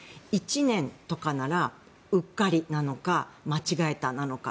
１年とかならうっかりなのか間違えたなのか。